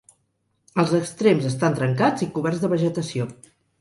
Els extrems estan trencats i coberts de vegetació.